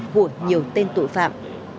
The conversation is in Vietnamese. hột nhiều tên tội phạm